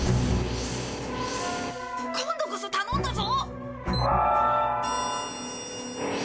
今度こそ頼んだぞ！